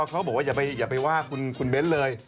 ก็บอกอย่าไปว่าคุณเบ้นเลย